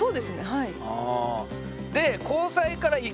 はい。